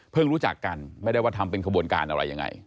รู้จักกันไม่ได้ว่าทำเป็นขบวนการอะไรยังไง